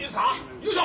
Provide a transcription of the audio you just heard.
よいしょ！